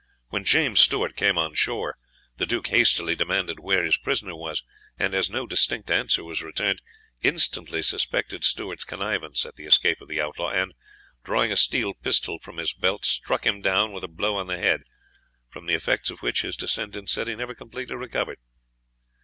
When James Stewart came on shore, the Duke hastily demanded where his prisoner was; and as no distinct answer was returned, instantly suspected Stewart's connivance at the escape of the Outlaw; and, drawing a steel pistol from his belt, struck him down with a blow on the head, from the effects of which, his descendant said, he never completely recovered.